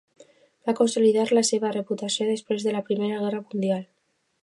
Va consolidar la seva reputació després de la Primera Guerra Mundial.